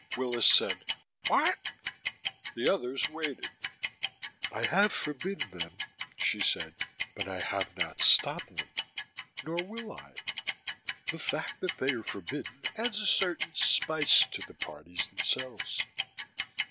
Willis said: "What?" The others waited. "I have forbidden them," she said, "but I have not stopped them. Nor will I. The fact that they are forbidden adds a certain spice to the parties themselves.